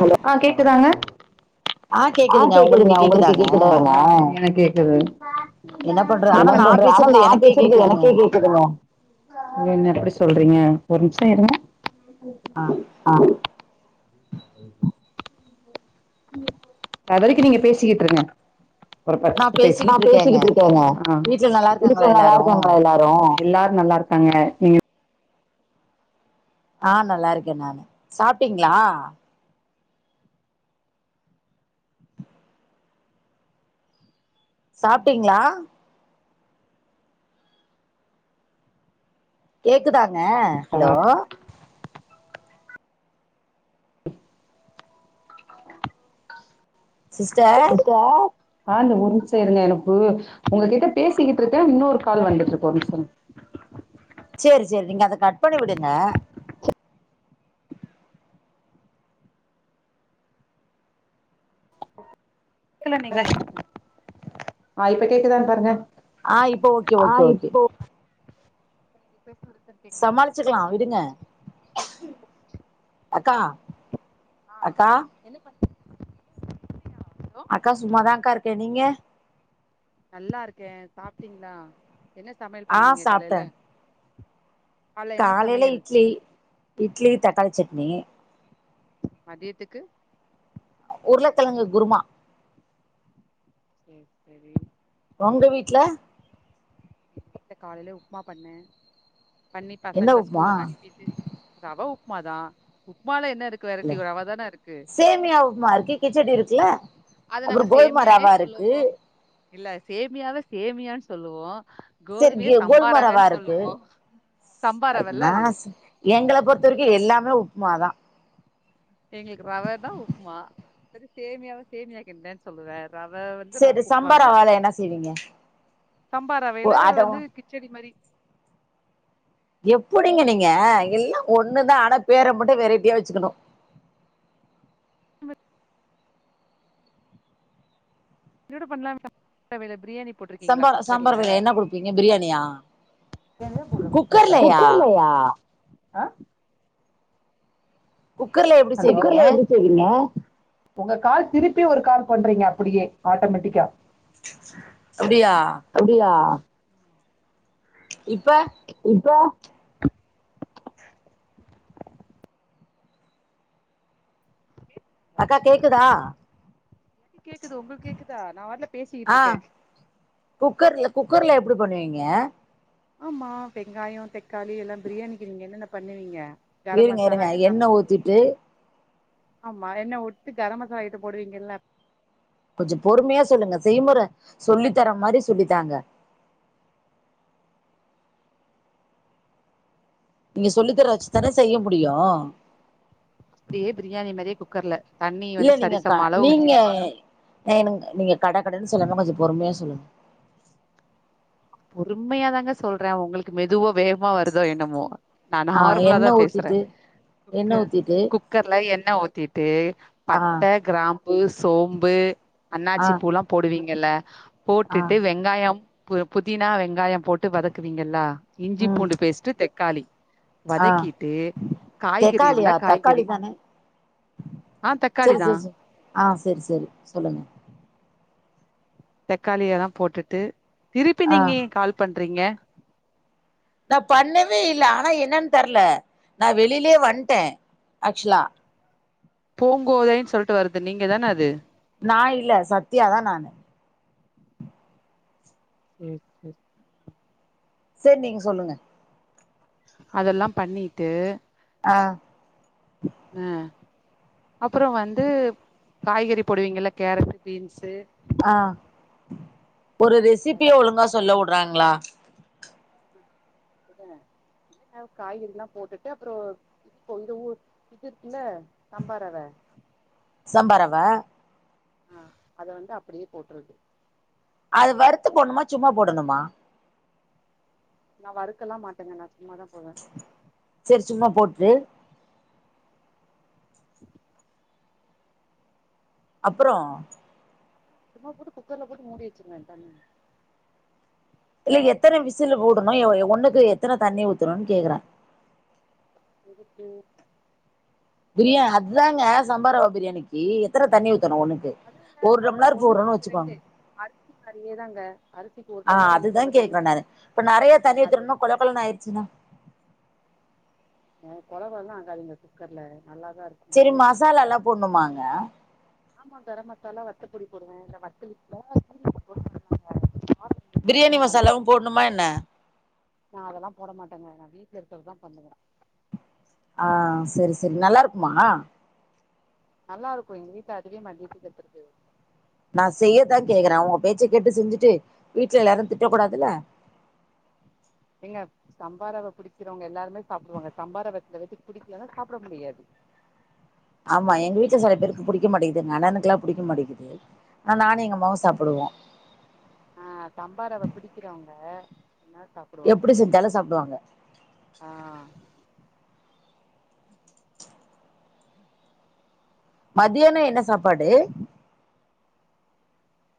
hello ஆ கேக்குதாங்க ஆ கேக்குதுங்க உங்களுக்கு கேக்கு தாங்க எனக் கேக்குது என்ன பண்ற ஆனா அதா நா சொல்ற ஆனா பேசுறது நா எனக்கே பேசுறது கேக்குதுங்க எனக்கே கேக் க்குதுங்க என்னங்க இப்டி சொல்றீங்க ஒரு நிமிஷோ இருங்க ஆ ஆ அதுவரைக்கி நீங்க பேசிக்கிட்டு இருங்க ஒரு ஃபர்ஸ்ட் பேசு நா பேசிக்கிட்டு இருக்கேங்க ஆ வீட்ல நல்லா வீட்ல இருக்காங்களா நல்லா எல்லாரு இருக்காங்களா எல்லா ரு எல்லாரு நல்லா இருக்காங்க நீங்க ஆ நல்லா இருக்கே நானு சாப்டீங்ளா சாப்டீங்ளா கேக்குதாங்க ஹலோ சிஸ்டர் ஆ இந்த ஒரு நிமிசோ இருங்க எனக்கு உங்ககிட்ட பேசிக்கிட்டு இருக்க இன்னொரு கால் வந்துட்டு இருக்கு ஒரு நிமிசோங்க சேரி சேரி நீங்க அத கட் பண்ணி விடுங்க கில நீங்க ஆ இப்ப கேக்குதான் பாருங்க ஆ இப்போ ஓகே ஆ ஓகே ஓகே இப்போ சமாளிச்சுக்லா விடுங்க அக்கா அக்கா அக்கா சும்மாதாங்கா இருக்க நீங்க நல்லா இருக்க சாப்டீங்ளா என்ன சமையல் ஆ பண்ணீங்க காலைல காலைல இட்லி இட்லி தக்காளி சட்னி மதியத்துக்கு உருளக்கெழங்கு குருமா சேரி சேரி ஒங்க வீட்ல காலைல உப்மா பண்ண பண்ணி என்ன பசங்கள உப்புமா ஸ்கூலுக்கு அனுப்பிட்டு ரவ உப்மாதா உப்மால என்ன இருக்கு இல்ல வெரைட்டி ரவ தான இருக்கு சேமியா உப்மா இருக்கு கிச்சடி இருக்குல அப்புறோ கோதும ரவா இருக்கு இல்ல சேமியாவ சேமியான்னு சொல்லுவோ சரி கோதுமைய கி சம்பா கோதும ரவா ரவன்னு இருக்கு சொல்லுவோ சம்பா ரவல்ல என்னா அது எங்கள பொறுத்த வரைக்கு எல்லாமே உப்மாதா எங்களுக்கு ரவ தா உப்மா சரி சேமியாவ சேமியா கிண்டன் சொல்லுவ ரவ வந்து ரவ சரி சம்பா உப்மாம்ப ரவால என்ன செய்வீங்க சம்பா ஓ ரவைல அத வந்து கிச் கிச்சடி மரி எப்படிங்க நீங்க எல்லா ஒன்னு தா ஆனா பேர மட்டு வெரைட்டியா வெச்சிக்கணு இன்னொன்னு பண்ணலா ரவைல பிரியாணி சம்பா சம்பா ரவைல என்ன குடுப்பீங்க பிரியாணியா குக்கர்லயா ஆ குக்கர்ல எப் குக்கர்ல எப்படி செய் உங்க கால் திருப்பி ஒரு கால் பண்றீங்க அப்டியே ஆட்டோமேட்டிக்கா அப்டியா அப்டியா இப்ப இப்ப அக்கா கேக்குதா கேக்குது உங்களுக்கு கேக்குதா நாபாட்ல ஆ குக்கர்ல குக்கர்ல எப்டி பண்ணுவீங்க ஆமா வெங்காயோ தக்காளி எல்லா பிரியாணிக்கு நீங்க என்னென்ன பண்ணுவீங்க இருங்க இருங்க எண்ண ஊத்திட்டு ஆமா என்ன ஊத்திட்டு கரம் மசாலா ஐட்டம் போடுவீங்கல்ல கொஞ்சோ பொறுமையா சொல்லுங்க செய்முற சொல்லி தர மாரி சொல்லித்தாங்க நீங்க சொல்லி தர வச்சு தான செய்ய முடியு அப்டியே பிரியாணி மாரியே குக்கர்ல இல்ல நீங்க க நீங்க ஆ என் நீங்க கட கடன்னு சொல்லாம கொஞ்சோ பொறுமையா சொல்லுங்க பொறுமையாதாங்க சொல்ற உங்களுக்கு மெதுவா வேகமா வருதோ என்னமோ நா ஆ நார்மலா தா எண்ணெ பேசுறே ஊத்திட்டு எண்ணெ ஊத்திட்டு குக்கர்ல எண்ண ஊத்திட்டு ஆ பட்ட கிராம்பு சோம்பு ஆ அண்ணாச்சி பூலா போடுவீங்கல்ல ஆ போட்டுட்டு வெங் காயம் புதினா வெங்காயம் போட்டு வதக்குவீங்கல்லா இஞ்சி ம் பூண்டு பேஸ்ட் தக்காளி ஆ வதக்கிட்டு காய்கறி தக்காளியா இருந்தா தக்காளி காய்கறி தானே ஆ தக்காளி செரி தா செரி செரி ஆ சேரி சேரி சொல்லுங்க தக்காளி எல்லா போட்டுட்டு திருப்பி ஆ நீங்க ஏ கால் பண்றீங்க நா பண்ணவே இல்ல ஆனா என்னன்னு தெர்ல நா வெளிலே வன்டே ஆக்சுலா பூங்கோதைன் சொல்ட்டு வருது நீங்க தான அது நா இல்ல சத்தியா தா நானு ம் சேரி நீங்க சொல்லுங்க அதெல்லா பண்ணிட்டு அ அப்புறோ வந்து காய்கறி போடுவீங்கல்ல கேரட்டு பீன்ஸு ஆ ஒரு ரெசிபிய ஒழுங்கா சொல்ல உடுறாங்களா காய்கறிலா போட்டுட்டு அப்புறோ இதுப்போ இது ஊ இது இருக்குல்ல சம்பா ரவ சம்பா ரவ ஆ அத வந்து அப்டியே போட்றது அது வறுத்து போட்ணுமா சும்மா போடணுமா நா வறுக்கலா மாட்டேங்க நா சும்மாதா போடுவ சேரி சும்மா போட்டு அப்புறோ சும்மா போட்டு குக்கர்ல போட்டு மூடி வச்சிருவே தண்ணி இல்ல எத்தன விசில்லு போடணு எ ஒ எ ஒண்ணுக்கு எத்தன தண்ணி ஊத்தணுன் கேக்குற எதுக்கு பிரியா அதுதாங்க சாம்பாரவ பிரியாணிக்கி எத்தன தண்ணி ஊத்தணு ஒண்ணுக்கு ஒரு டம்ளர் போறோனு வச்சிக்கோங் அரிசி மாரியே தாங்க அரிசிக்கு ஒரு ஆ டம்ளர் ரெண்டு டம்ளர் தண்ணி அர் ரொம்ப கொலகொலன் ஆய்ர்ச்சுன்னா எ கொலகொலனு ஆகாதுங்க குக்கர்ல நல்லாதா இருக்கு செரி மசாலாலா போட்ணுமாங்க ஆமா கரம் மசாலா வத்த பொடி போடுவே இந்த வத்தல் [unintelligible] பிரியாணி மசாலாவு போட்ணுமா என்ன நா அதெல்லா போட மாட்டேங்க நா வீட்ல இருக்கர்தா பண்ணுவே ஆ சரி சரி நல்லார்க்குமா நல்லாருக்கு எங்க வீட்ல அதுவே மதியத்துக்கு எடுத்துட்டு போய்ர்வோ நா செய்யத்தா கேக்குறே உங்க பேச்ச கேட்டு செஞ்சுட்டு வீட்ல எல்லாரு திட்டக் கூடாதுல்ல ஏங்க சம்பாரவ புடிக்கிறவங்க எல்லாருமே சாப்டுவாங்க சம்பாரவத்துல வச்சி புடிக்கலன்னா சாப்ட முடியாது ஆமா எங்க வீட்ல சில பேருக்கு புடிக்க மாட்டேங்கிது நண்ணனுக்குல்லா புடிக்க மாட்டேக்கிது அ நானு எங்க அம்மாவு சாப்புடுவோ ஆ சம்பாரவ பிடிக்கிறவங்க என்னா சாப் எப்பிடி செஞ்சாலு சாப்டுவாங்க ஆ மதியானோ என்ன சாப்பாடே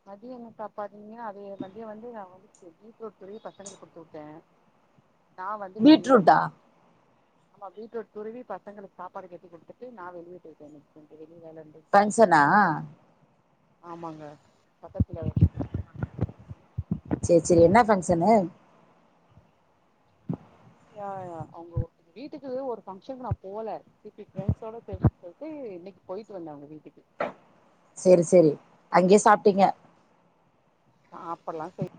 மதிய என்ன சாப்பாத்திங்யா அதே மதிய வந்து நா வந்து எ பீட்ரூட் துருவி பசங்களுக்கு குடுத்துவுட்டே நா வந்து வெளிய போய்ட்டே பீட்ரூட்டா ஆமா பீட்ரூட் துருவி பசங்களுக்கு சாப்பாடு கட்டி குடுத்துட்டு நா வெளிய போயிட்டே எனக் கொஞ்சோ வெளிய வேலருந்து பங்சனா ஆமாங்க பக்கத்துலதா ச்சே ச்சேரி என்ன ஃபங்க்ஷனு யா யா அவ்ங்கோ வீட்டுக்கு ஒரு ஃபங்க்ஷனுக்கு நா போல திப்பி ஃப்ரெண்ஸோட பேஸ் பத்து இன்னிக்கு போய்ட்டு வந்த அவ்ங்க வீட்டுக்கு சேரி சேரி அங்க்யே சாப்ட்டீங்க சாப்பல்லா செய்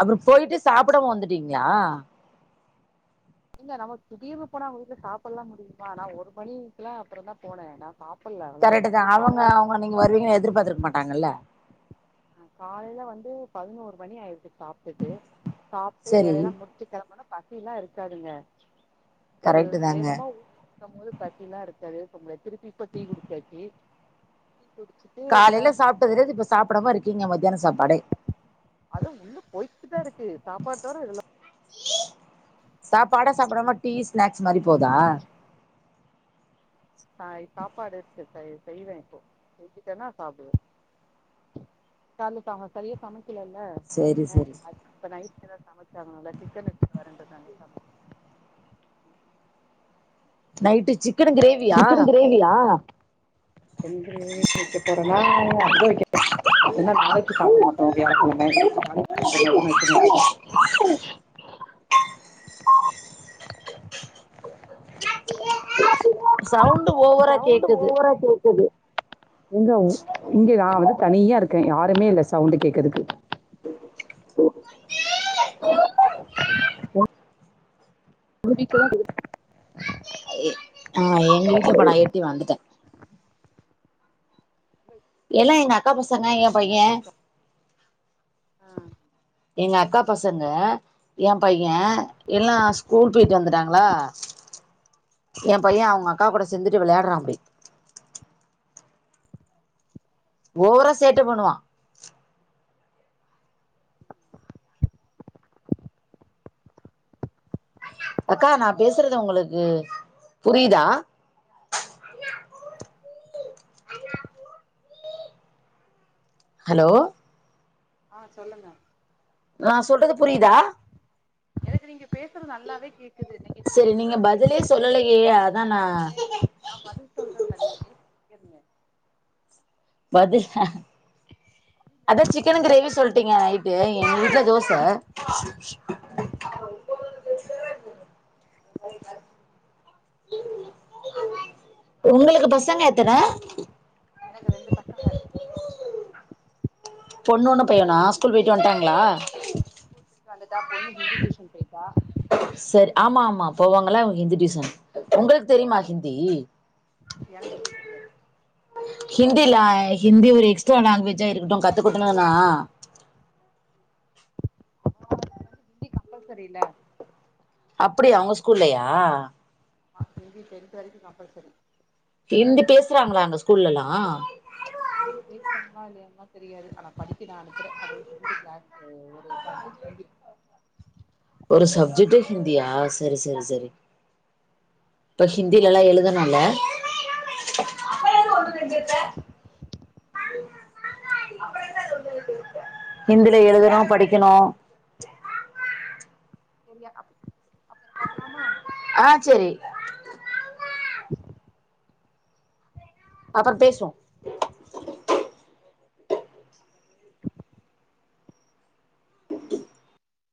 அப்றும் போய்ட்டு சாப்டவு வந்துட்டீங்ளா இங்க நமக் திடீர்னு போனா அவங்க வீட்ல சாப்பல்லா முடியுமா நா ஒரு மணி க்லா அப்றந்தா போனே நா சாப் ப்பல்ல அவ்ளதா மதியோ காலைல் உன நீங்க வருவீங்னு எதிர்பார்த்துருக் மாட்டாங்கல்ல காலைல வந்து பதினோரு மணி ஆயிர்த்து சாப்டுட்டு சாப்ட்டு சரி வேலையெல்லா முடி ட்டு கெளம்புன்னா பசில இருக்காதுங்க ஒரு கரெக்ட் தாங்க வேகமா ஊ க்கும்போது பசிலா இருக்காது பொம்லே திருப்பி இப்ப டீ குடிச்சாச்சி டீ குடிச்சி காலைல சாப்ட்டதுலந்து இப்ப சாப்டமா இருக்கீங்க மத்யான சாப்பாடே அது உள்ள போய்ட்டு தா இருக்கு சாப்பாட் தவற இதெல்லா சாப்பாடா சாப்டாம டீ ஸ்நாக்ஸ் மாரி போதா ஹாய் சாப்பாடு இருக்கு செய் செய்வே போ செஞ்சுட்டேனா சாப்டுவே கால்ல சாங்க சரியா சமைக்கலல்ல சரி என சரி அதுக் இப்ப நைட் எதாவ் சமைச்சாகணுல சிக்கன் எடுத்துட் வரேண்ருக்காங்க சமை நைட்டு சிக்கன் க்ரேவியா வியா எங்கே வைக்க போறனா அத்த வைக்க [unintelligible] என்னா நாளைக்கி சாப்ட மாட்டோ வியாழக்கெழம [unintelligible] சவுண்டு ஓவரா கேக்குது இப்ப கேக்குது இங்க உ இங்க நா வந்து தனியா இருக்க யாருமே இல்ல சவுண்டு கேக்கதுக்கு [unintelligible] ஆ எங்க வீட்ல படா ஏத்தி வந்துட்ட எல்லா எங்க அக்கா பசங்க ஏ பைய்ய எங்க அக்கா பசங்க ஏ பைய எல்லா ஸ்கூல் பேய்ட்டு வந்துட்டாங்களா எ பைய அவங்க அக்கா கூட சேந்துட்டு விளையாடுறா அப்டி ஓவரா சேட்ட பண்ணுவா அக்கா நா பேசுறது உங்களுக்கு புரிய்தா ஹலோ ஆ சொல்லுங்க நா சொல்றது புரியிதா எனக்கு நீங்க சரி நீங்க பதிலே சொல்லலையே அதா நா நா பதில் சொல்றங்க நீங்க பேசிகிட்டே இருங்க பதில் அ அதா சிக்கன் கிரேவி சொல்ட்டீங்க நைட்டு எங்க வீட்ல தோச உங்களுக்கு பசங்க எத்தன எனக்கு ரெண்டு பொண்ணு ஒண்ணு பையனா ஸ்கூல் போய்ட்டு வன்ட்டாங்களா வந்துடா பொண்ணு ஹிந்தி டியூஷன் பேய்டா சர் ஆமா ஆமா போவாங்கள அவங்க ஹிந்தி டியூஷன் உங்களுக்கு தெரியுமா ஹிந்தி எனக்கு ஹிந்தி தெரியாது ஹிந்தில ஹிந்தி ஒரு எக்ஸ்ட்ரா லாங்குவேஜா இருக்கட்டு கத்துக்குட்டுணுனா அப்ப சரி ல அப்படி அவங்க ஸ்கூல்லயா அங்க ஹிந்தி டென்த் வரைக்கு கம்பல்சரி ஹிந்தி பேசுறாங்களா அங்க ஸ்கூல்லலா ஹிந்தி பேசுறாங்களா இல்லையான் தெரியாது ஆனா படிக்க நா அனுப்புற அவளுக்கு ஹிந்தி க்ளாஸ் ஒரு சப்ஜெக்ட் ஹிந்தி ஒரு சப்ஜெக்ட்டே ஹிந்தியா சரி சரி சரி இப்ப ஹிந்தியிலல்லா மஎழுத னால ஹிந்தில எழுதனு படிக்கணு சரியா அ அப்புறோ பாக்கலாமா ஆ சரி அப்றோ பேசு